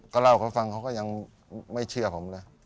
ก็เล่าเขาฟังเขาก็ยังไม่เชื่อผมเลย